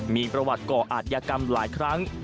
มีประวัติก่ออาจยากรรมหลายครั้ง